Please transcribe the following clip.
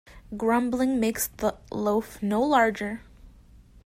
Grumbling makes the loaf no larger.